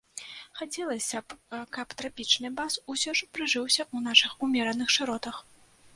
Хацелася б, каб трапічны бас усё ж прыжыўся ў нашых умераных шыротах.